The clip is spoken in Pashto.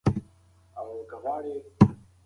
که ماشوم ارام کښېني، انا به ورته یوه ښکلې کیسه وکړي.